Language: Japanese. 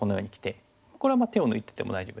これは手を抜いてても大丈夫ですかね。